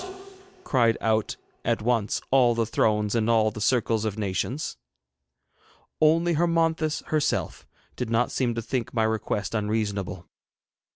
cried out at once all the Thrones and all the Circles of Nations. Only Hermonthis herself did not seem to think my request unreasonable.